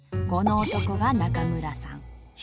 この男が中村さん。